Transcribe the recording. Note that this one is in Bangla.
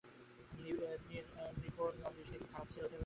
নীর-নৃপর অদৃষ্টে কি খারাপ ছেলে হতে পারে।